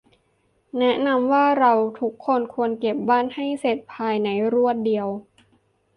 แนะนำว่า เราทุกคนควรเก็บบ้านให้เสร็จภายในรวดเดียว